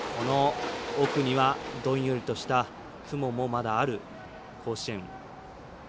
奥にはどんよりとした雲もまだある甲子園。